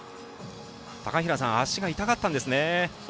高平さん、足が痛かったんですね。